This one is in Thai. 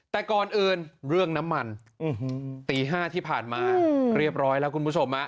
แต่ก่อนอื่นเรื่องน้ำมันตี๕ที่ผ่านมาเรียบร้อยแล้วคุณผู้ชม